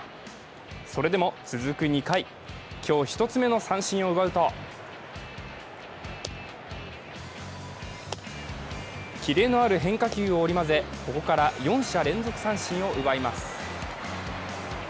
それでも続く２回、今日１つ目の三振を奪うとキレのある変化球を織り交ぜ、ここから４者連続三振を奪います。